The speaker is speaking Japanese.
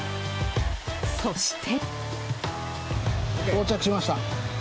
そして。